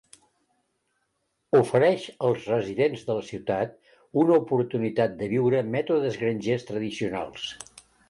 Ofereix als residents de la ciutat l'oportunitat de viure mètodes grangers tradicionals.